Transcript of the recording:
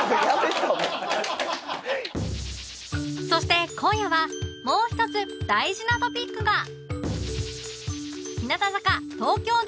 そして今夜はもう一つ大事なトピックが